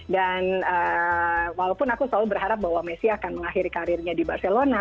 dan walaupun aku selalu berharap bahwa messi akan mengakhiri karirnya di barcelona